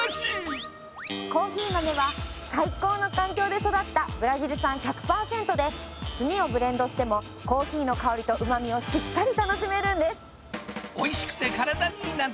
コーヒー豆は最高の環境で育ったブラジル産１００パーセントで炭をブレンドしてもコーヒーの香りとうまみをしっかり楽しめるんです。